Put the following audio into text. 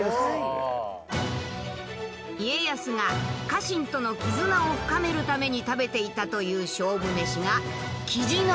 家康が家臣との絆を深めるために食べていたという勝負メシがキジ鍋。